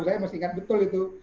saya ingat betul itu